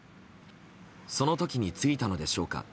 その時についたのでしょうか。